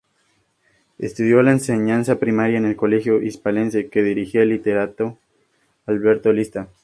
Estudió la enseñanza primaria en el Colegio Hispalense, que dirigía el literato Alberto Lista.